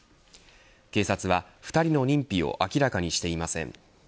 警察は２人の認否を明らかにしていません。